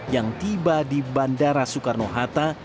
yang tiba di bandara soekarno hatta